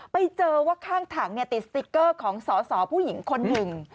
ไปเจอว่าข้างถังติดสติ๊กเกอร์ของสอสอผู้หญิงคนหนึ่ง